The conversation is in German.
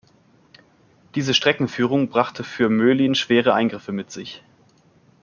Diese Streckenführung brachte für Möhlin schwere Eingriffe mit sich.